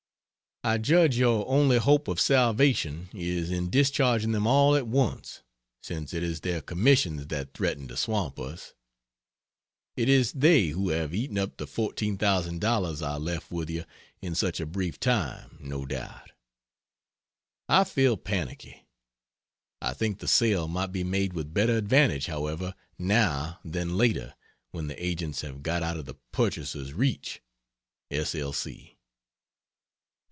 I judge your only hope of salvation is in discharging them all at once, since it is their commissions that threaten to swamp us. It is they who have eaten up the $14,000 I left with you in such a brief time, no doubt. I feel panicky. I think the sale might be made with better advantage, however, now, than later when the agents have got out of the purchaser's reach. S. L.